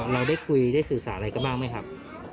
เราได้คุยได้สื่อสารอะไรกันบ้างไหมครับ